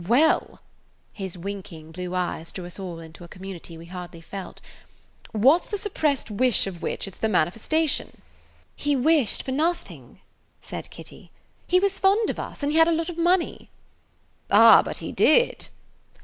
Well,"–his winking blue eyes drew us all into a community we hardly felt,–"what 's the [Page 161] suppressed wish of which it 's the manifestation?" "He wished for nothing," said Kitty. "He was fond of us, and he had a lot of money." "Ah, but he did!"